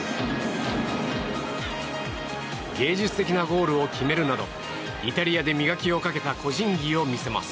芸術的なゴールを決めるなどイタリアで磨きをかけた個人技を見せます。